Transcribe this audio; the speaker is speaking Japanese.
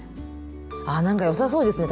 あなんかよさそうですね